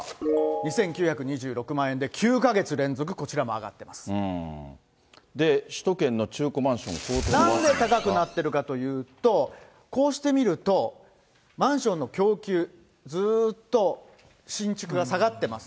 ２９２６万円で、９か月連続、首都圏の中古マンション高騰なんで高くなってるかというと、こうしてみると、マンションの供給、ずっと新築が下がってます。